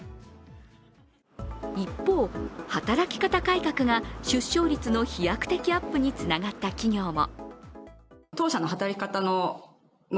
一方、働き方改革が出生率の飛躍的アップにつながった企業も。